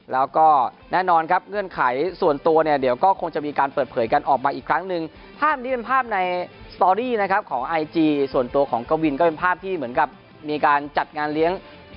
แล้วก็แน่นอนครับเนื่องไขส่วนตัวเนี่ย